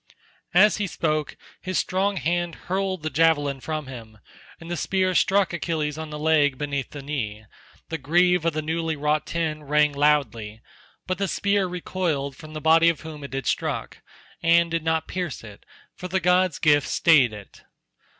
As he spoke his strong hand hurled his javelin from him, and the spear struck Achilles on the leg beneath the knee; the greave of newly wrought tin rang loudly, but the spear recoiled from the body of him whom it had struck, and did not pierce it, for the god's gift stayed it.